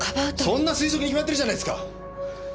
そんなの推測に決まってるじゃないですか！